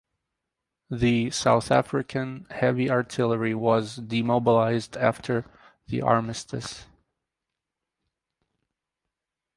The South African Heavy Artillery was demobilised after the Armistice.